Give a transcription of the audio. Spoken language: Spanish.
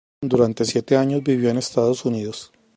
Durante siete años, vivió en Estados Unidos.